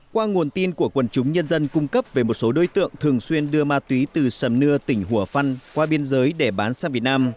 qua nguồn tin của quần chúng nhân dân cung cấp về một số đối tượng thường xuyên đưa ma túy từ sầm nưa tỉnh hùa phân qua biên giới để bán sang việt nam